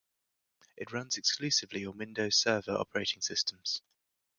It runs exclusively on Windows Server operating systems.